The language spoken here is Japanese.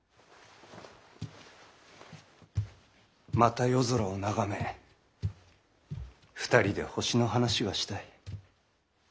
また夜空を眺め２人で星の話がしたい。